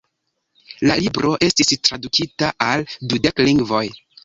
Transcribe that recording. La libro estis tradukita al dudek lingvoj.